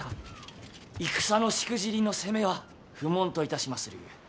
戦のしくじりの責めは不問といたしまするゆえ。